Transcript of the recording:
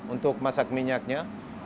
untuk memasak minyaknya